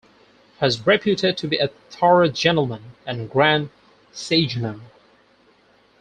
Has reputed to be a thorough gentleman and "grand seigneur".